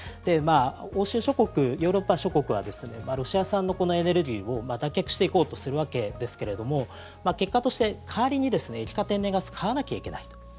欧州諸国、ヨーロッパ諸国はロシア産のエネルギーを脱却していこうとするわけですけれども結果として代わりに液化天然ガスを買わなきゃいけないと。